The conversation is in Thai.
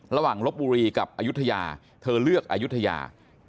ระหว่างลบหุรีกับอายุธยาเธอเลือกอายุธยา